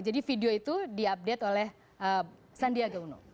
jadi video itu diupdate oleh sandiaga uno